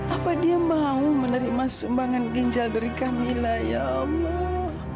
apa dia mau menerima sumbangan ginjal dari kami lah ya allah